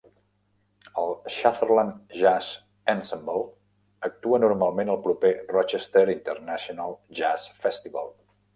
El Sutherland Jazz Ensemble actua normalment al proper Rochester International Jazz Festival.